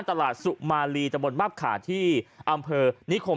ที่ปวกแดง